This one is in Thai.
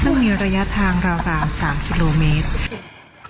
ซึ่งมีระยะทางราว๓กิโลเมตร